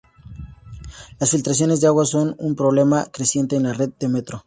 Las filtraciones de agua son un problema creciente en la red de Metro.